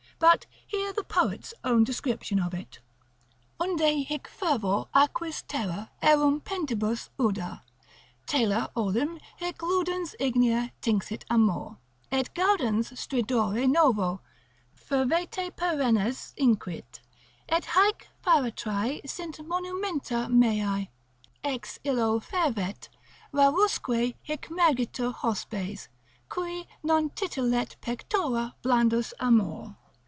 But hear the poet's own description of it, Unde hic fervor aquis terra erumpentibus uda? Tela olim hic ludens ignea tinxit amor; Et gaudens stridore novo, fervete perennes Inquit, et haec pharetrae sint monumenta meae. Ex illo fervet, rarusque hic mergitur hospes, Cui non titillet pectora blandus amor.